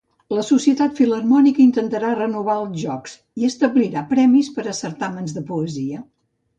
La Societat Filharmònica intentarà renovar els Jocs i establirà premis per a certàmens de poesia.